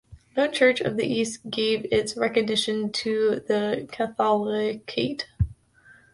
No church of the East gave its recognition to the Catholicate.